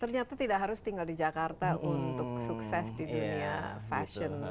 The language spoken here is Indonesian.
ternyata tidak harus tinggal di jakarta untuk sukses di dunia fashion